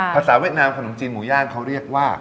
เวียดนามขนมจีนหมูย่างเขาเรียกว่า